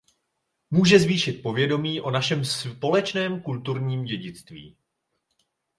Může zvýšit povědomí o našem společném kulturním dědictví.